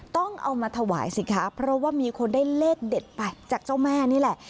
ต้องเอามาถวายสิคะเพราะว่ามีคนได้เลขเด็ดไปจากเจ้าแม่นี่แหละ